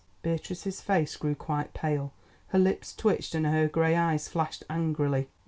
Beatrice's face grew quite pale, her lips twitched and her grey eyes flashed angrily.